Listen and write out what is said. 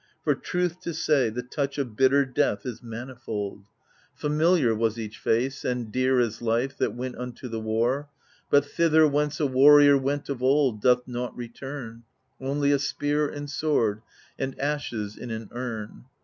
For, truth to say, The touch of bitter death is manifold ! AGAMEMNON 21 Familiar was each face, and dear as life, That went unto the war, But thither, whence a warrior went of old. Doth nought return — Only a spear and sword, and ashes in an urn